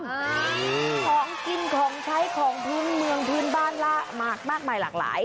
ของกินของใช้ของพื้นเมืองพื้นบ้านล่ะมากมายหลากหลาย